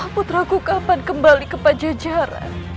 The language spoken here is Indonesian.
putraku kapan kembali ke pajajaran